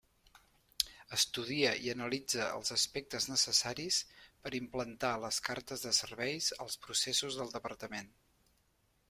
Estudia i analitza els aspectes necessaris per implantar les cartes de serveis als processos del Departament.